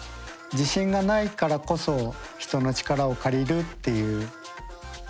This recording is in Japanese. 自信がないからこそ人の力を借りるっていうことでいいのかな。